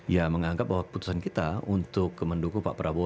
ya menganggap bahwa keputusan kita untuk mendukung pak prabowo